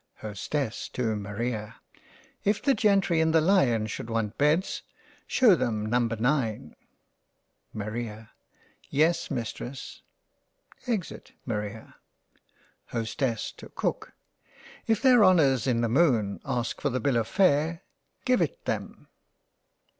Hostess to Maria) If the gentry in the Lion should want beds, shew them number 9. Maria) Yes Mistress. — exit Maria Hostess to Cook) If their Honours in the Moon ask for the bill of fare, give it them.